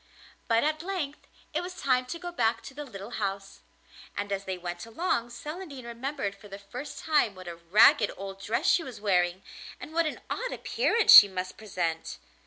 But at length it was time to go back to the little house, and as they went along Celandine remembered for the first time what a ragged old dress she was wearing, and what an odd appearance she must present.